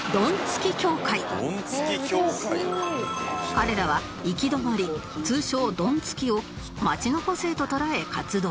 彼らは行き止まり通称ドンツキを街の個性と捉え活動